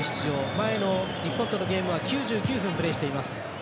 前の日本とのゲームは９９分プレーしています。